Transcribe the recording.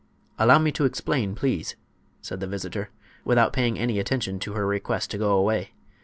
"Allow me to explain, please," said the visitor, without paying any attention to her request to go away.